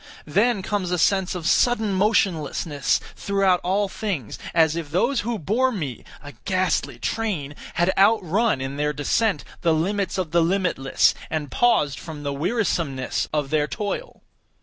Then comes a sense of sudden motionlessness throughout all things; as if those who bore me (a ghastly train!) had outrun, in their descent, the limits of the limitless, and paused from the wearisomeness of their toil.